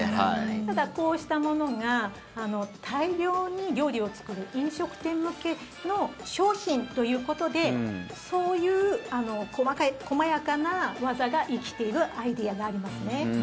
ただ、こうしたものが大量に料理を作る飲食店向けの商品ということでそういう細やかな技が生きているアイデアがありますね。